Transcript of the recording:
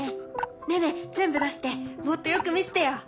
ねえねえ全部出してもっとよく見せてよ。